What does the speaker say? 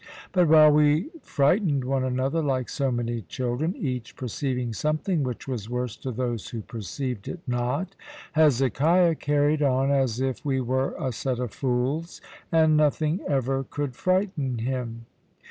But while we frightened one another, like so many children, each perceiving something which was worse to those who perceived it not, Hezekiah carried on as if we were a set of fools, and nothing ever could frighten him.